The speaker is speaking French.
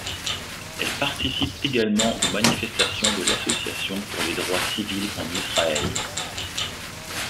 Elle participe également aux manifestations de l'Association pour les droits civils en Israël.